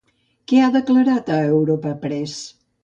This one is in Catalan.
Què ha declarat a Europa Press?